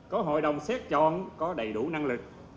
có hội đồng xét chọn có đầy đủ năng lực